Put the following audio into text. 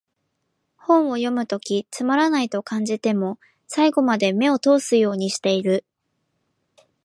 本を読むときつまらないと感じても、最後まで目を通すようにしてる